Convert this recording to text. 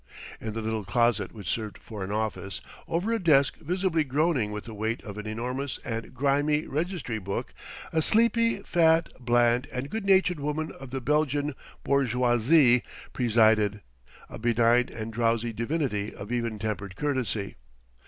In the little closet which served for an office, over a desk visibly groaning with the weight of an enormous and grimy registry book, a sleepy, fat, bland and good natured woman of the Belgian bourgeoisie presided, a benign and drowsy divinity of even tempered courtesy.